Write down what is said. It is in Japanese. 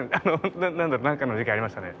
何だろう何かの事件ありましたね。